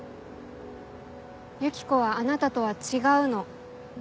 ユキコはあなたとは違うの。